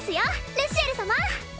ルシエル様